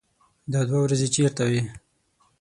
_دا دوې ورځې چېرته وې؟